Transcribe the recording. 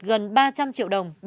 gần ba trăm linh triệu đồng